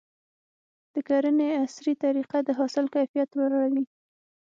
د کرنې عصري طریقې د حاصل کیفیت لوړوي.